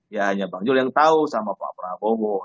ya hanya bang jul yang tahu sama pak prabowo